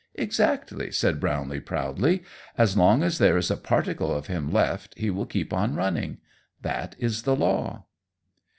"Exactly!" said Brownlee proudly. "As long as there is a particle of him left he will keep on running. That is the law."